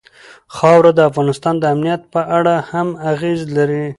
خاوره د افغانستان د امنیت په اړه هم اغېز لري.